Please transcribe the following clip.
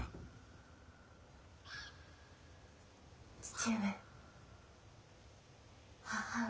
父上。